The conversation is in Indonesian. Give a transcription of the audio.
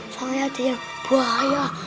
soalnya ada yang bahaya